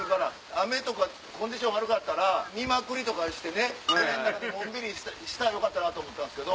雨とかコンディション悪かったら「見まくり」とかして部屋の中でのんびりしたらよかったと思ったんすけど。